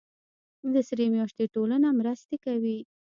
د سرې میاشتې ټولنه مرستې کوي